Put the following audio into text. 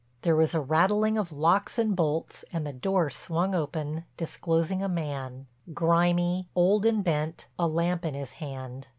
There was a rattling of locks and bolts and the door swung open disclosing a man, grimy, old and bent, a lamp in his hand.